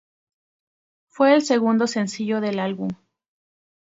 Fue el segundo sencillo del álbum.